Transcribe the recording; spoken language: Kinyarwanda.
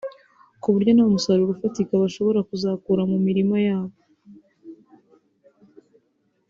ku buryo nta musaruro ufatika bashobora kuzakura mu mirima yabo